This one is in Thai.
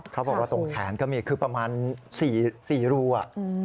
เขาบอกว่าตรงแขนก็มีคือประมาณ๔รูอ่ะ